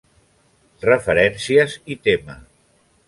Referències i tema.